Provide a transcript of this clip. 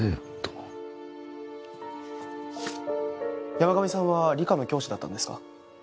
山上さんは理科の教師だったんですか？